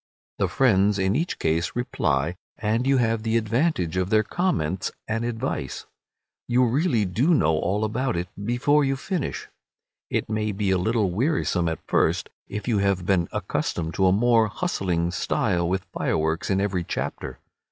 The friends in each case reply, and you have the advantage of their comments and advice. You really do know all about it before you finish. It may be a little wearisome at first, if you have been accustomed to a more hustling style with fireworks in every chapter.